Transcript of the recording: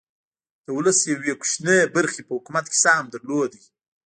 د ولس یوې کوچنۍ برخې په حکومت کې سهم درلود.